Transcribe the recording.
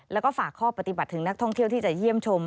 แล้วก็ฝากข้อปฏิบัติถึงนักท่องเที่ยวที่จะเยี่ยมชม